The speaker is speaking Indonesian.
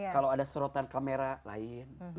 kalau ada sorotan kamera lain